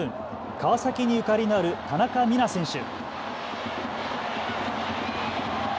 川崎にゆかりのある田中美南選手。